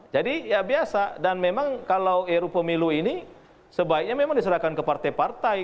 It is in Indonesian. jadi ya biasa dan memang kalau ru pemilu ini sebaiknya memang diserahkan ke partai partai